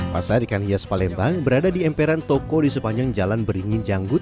pasar ikan hias palembang berada di emperan toko di sepanjang jalan beringin janggut